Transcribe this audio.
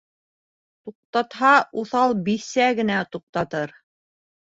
Туҡтатһа, уҫал бисә генә туҡтатыр.